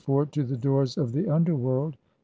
to the Doors of the Underworld, 55.